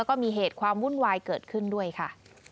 แล้วก็มีเหตุความวุ่นวายเกิดขึ้นด้วยค่ะ